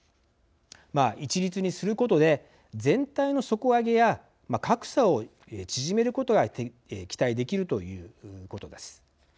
一律にすることで全体の底上げや格差を縮めることが期待できるということです。